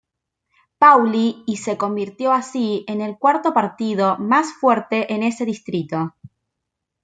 Pauli y se convirtió así en el cuarto partido más fuerte en ese distrito.